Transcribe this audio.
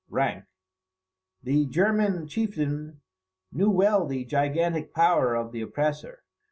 [Ranke.] The (German) chieftain knew well the gigantic power of the oppressor.